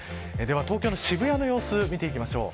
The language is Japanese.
東京の渋谷の様子見ていきましょう。